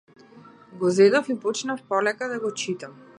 Го зедов и почнав полека да го читам.